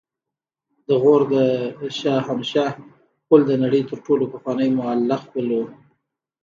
د غور د شاهمشه پل د نړۍ تر ټولو پخوانی معلق پل و